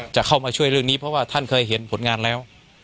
จะเข้ามาช่วยเรื่องนี้เพราะว่าท่านเคยเห็นผลงานแล้ว